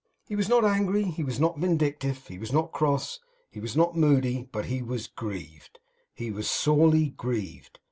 He was not angry, he was not vindictive, he was not cross, he was not moody, but he was grieved; he was sorely grieved.